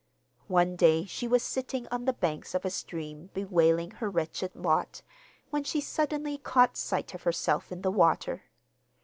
One day she was sitting on the banks of a stream bewailing her wretched lot, when she suddenly caught sight of herself in the water.